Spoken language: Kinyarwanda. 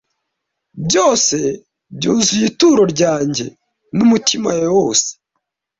byose byuzuye ituro ryanjye n'umutima wawe wose